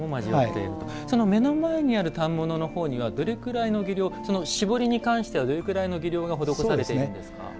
目の前にある反物は絞りに関してはどれぐらいの技量が施されているんですか？